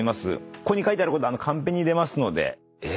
ここに書いてあることカンペに出ますので。